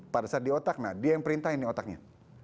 pada saat di otak dia yang perintah ini otaknya